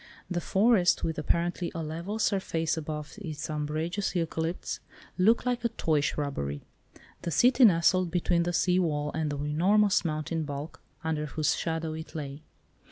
The forest, with apparently a level surface above its umbrageous eucalypts, looked like a toy shrubbery. The city nestled between the sea wall and the enormous mountain bulk, under whose shadow it lay.